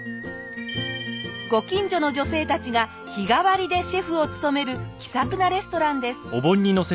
ご近所の女性たちが日替わりでシェフを務める気さくなレストランです。